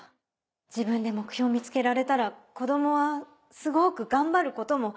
自分で目標を見つけられたら子供はすごく頑張ることも。